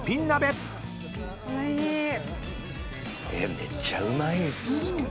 めっちゃうまいっすけど。